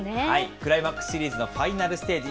クライマックスシリーズのファイナルステージ。